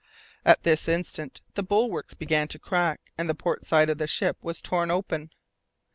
At this instant the bulwarks began to crack and the port side of the ship was torn open.